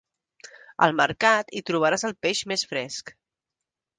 Al Mercat hi trobaràs el peix més fresc.